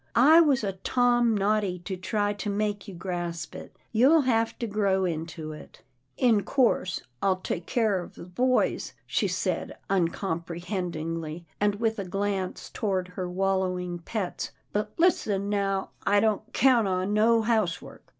I was a Tom Noddy to try to make you grasp it — you'll have to grow into it." " In course, I'll take care of the boys," she said uncomprehendingly, and with a glance toward her wallowing pets, " but listen now, I don't count on no housework."